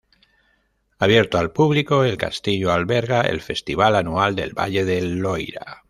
Abierto al público, el castillo alberga el Festival anual del Valle del Loira.